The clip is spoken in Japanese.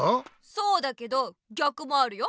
そうだけどぎゃくもあるよ。